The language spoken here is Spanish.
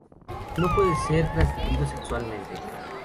No puede ser transmitido sexualmente.